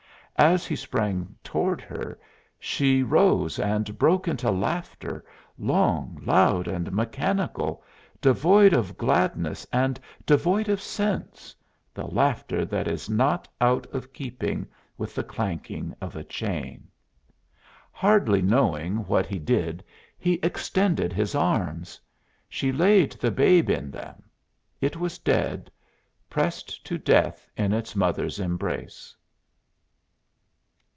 As he sprang toward her she rose and broke into laughter, long, loud, and mechanical, devoid of gladness and devoid of sense the laughter that is not out of keeping with the clanking of a chain. Hardly knowing what he did he extended his arms. She laid the babe in them. It was dead pressed to death in its mother's embrace.